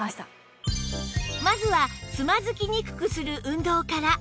まずはつまずきにくくする運動から